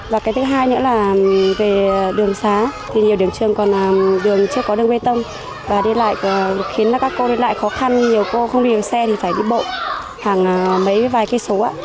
và cái thứ hai nữa là về đường xá thì nhiều điểm trường còn là đường chưa có đường bê tông và đến lại khiến các cô đến lại khó khăn nhiều cô không đi đường xe thì phải đi bộ khoảng mấy vài kỳ số ạ